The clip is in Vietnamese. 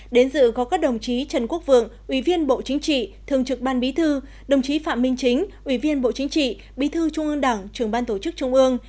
đến dự có các đồng chí trần quốc vượng ủy viên bộ chính trị thường trực ban bí thư đồng chí phạm minh chính ủy viên bộ chính trị bí thư trung ương đảng trưởng ban tổ chức trung ương